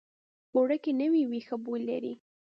اوړه که نوي وي، ښه بوی لري